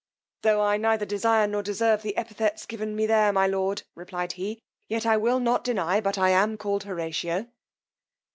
Tho' I neither desire nor deserve the epithets given me there my lord, replied he, yet I will not deny but I am called Horatio.